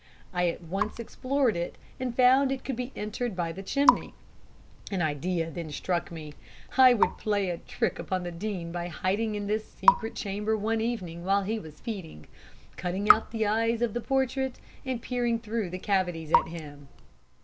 I at once explored it, and found it could be entered by the chimney. An idea then struck me I would play a trick upon the Dean by hiding in this secret chamber one evening while he was feeding, cutting out the eyes of the portrait, and peering through the cavities at him.